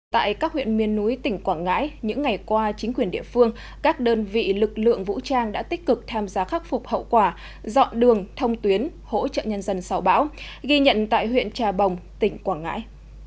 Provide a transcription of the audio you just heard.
tại các huyện miền núi tỉnh quảng ngãi những ngày qua chính quyền địa phương các đơn vị lực lượng vũ trang đã tích cực tham gia khắc phục hậu quả dọn đường thông tuyến hỗ trợ nhân dân sau bão ghi nhận tại huyện trà bồng tỉnh quảng ngãi